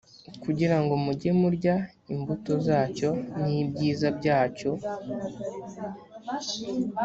kugira ngo mujye murya imbuto zacyo n ibyiza byacyo